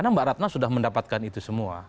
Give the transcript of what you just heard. karena mbak ratna sudah mendapatkan itu semua